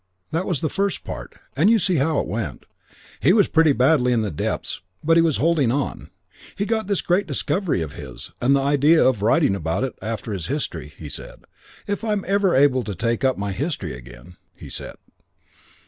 That was the first part, and you see how it went. He was pretty badly in the depths but he was holding on. He'd got this great discovery of his, and the idea of writing about it after his History, he said. 'If I'm ever able to take up my History again,' he said.